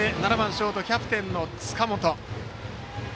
ショートキャプテンの塚本。